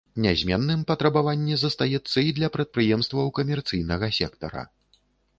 Нязменным патрабаванне застаецца і для прадпрыемстваў камерцыйнага сектара.